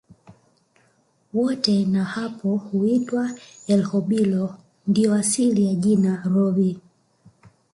Wote na hapo huitwa Erhobilo ndio asili ya jina Rhobi